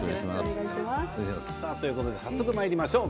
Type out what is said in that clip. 早速まいりましょう。